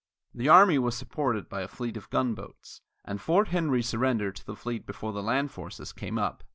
The army was supported by a fleet of gunboats, and Fort Henry surrendered to the fleet before the land forces came up.